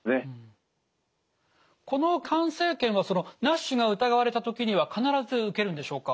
この肝生検はＮＡＳＨが疑われた時には必ず受けるんでしょうか？